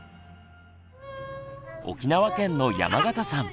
沖縄県の山形さん。